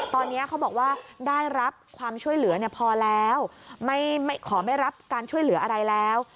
ตอนนี้เขาบอกว่าได้รับความช่วยเหลือพอแล้วไม่ขอไม่รับการช่วยเหลืออะไรแล้ว